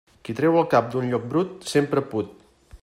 Qui treu el cap d'un lloc brut, sempre put.